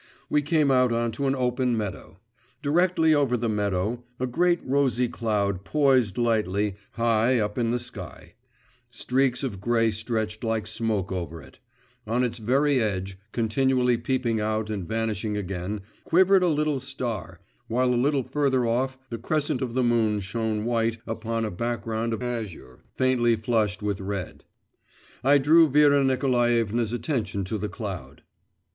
We came out on to an open meadow. Directly over the meadow a great rosy cloud poised lightly, high up in the sky; streaks of grey stretched like smoke over it; on its very edge, continually peeping out and vanishing again, quivered a little star, while a little further off the crescent of the moon shone white upon a background of azure, faintly flushed with red. I drew Vera Nikolaevna's attention to the cloud.